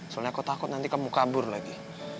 soalnya aku takut nanti kamu kabur lagi